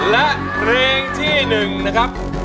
และเพลงที่๑นะครับ